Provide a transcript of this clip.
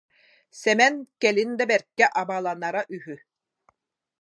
Сэмэн кэлин да бэркэ абаланара үһү